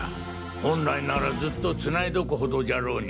本来ならずっと繋いどく程じゃろうに。